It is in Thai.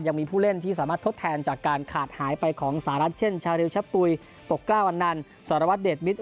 ยังมีผู้เล่นที่สามารถทดแทนจากการขาดหายไปของสหรัฐเช่นชาริวชะปุ๋ยปกกล้าอันนันสารวัตรเดชมิตร